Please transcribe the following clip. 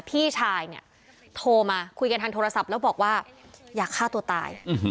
พี่ชายเนี่ยโทรมาคุยกันทางโทรศัพท์แล้วบอกว่าอยากฆ่าตัวตาย